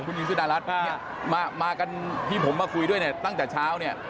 คุณยิงสุดารัสมากันที่ผมมาคุยด้วยเนี่ยตั้งจากเช้าเนี่ย